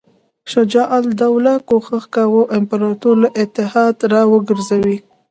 شجاع الدوله کوښښ کاوه امپراطور له اتحاد را وګرځوي.